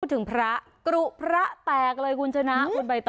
ถึงพระกรุพระแตกเลยคุณชนะคุณใบตอ